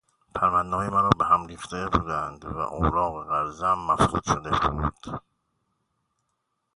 پروندههای مرا بههم ریخته بودند و اوراق قرضهام مفقود شده بود.